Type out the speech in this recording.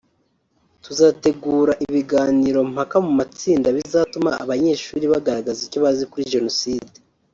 tuzategura ibiganiro mpaka mu matsinda bizatuma abanyeshuri bagaragaza icyo bazi kuri Jenoside